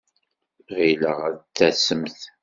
Ɣileɣ ad d-tasemt.